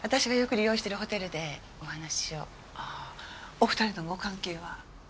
お二人のご関係は？